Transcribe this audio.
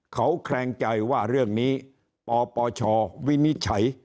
เขาแคลงใจว่าเรื่องนี้ปปชวินิจฉัย